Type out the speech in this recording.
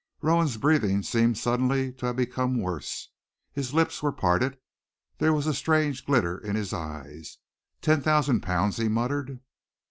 Rowan's breathing seemed suddenly to have become worse. His lips were parted, there was a strange glitter in his eyes. "Ten thousand pounds!" he muttered.